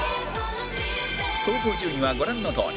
総合順位はご覧のとおり